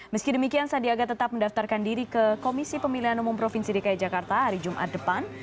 meski demikian sandiaga tetap mendaftarkan diri ke komisi pemilihan umum provinsi dki jakarta hari jumat depan